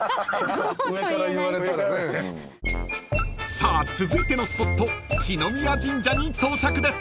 ［さあ続いてのスポット來宮神社に到着です］